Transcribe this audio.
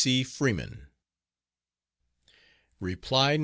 C. FREEMAN. Reply No.